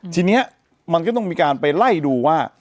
ทีนี้มันก็ต้องมีการไปไล่ดูว่า